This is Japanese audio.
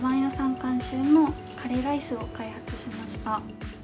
監修のカレーライスを開発しました。